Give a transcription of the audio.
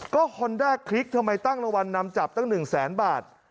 ก็ฮอนด้าคลิกทำไมตั้งรางวัลนำจับตั้ง๑แสนบาท